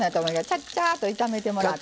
ちゃっちゃっと炒めてもらって。